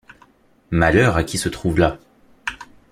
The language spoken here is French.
Malheur à qui se trouve là!